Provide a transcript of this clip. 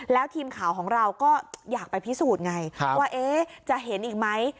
แล้วทีมข่าวของเราก็อยากไปพิสูจน์ไงว่าจะเห็นอีกไหม